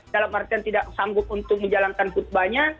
dalam artian tidak sanggup untuk menjalankan khutbahnya